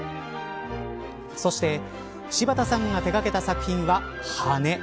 そして、柴田さんが手掛けた作品は羽。